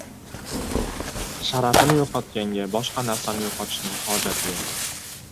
• Sharafini yo‘qotganga boshqa narsani yo‘qotishning hojati yo‘q.